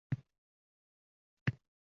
Onam qo’ynin to’ldiraman savollarga.